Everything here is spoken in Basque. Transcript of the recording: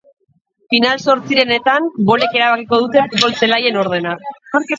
Final-zortzirenetan bolek erabakiko dute futbol-zelaien ordena.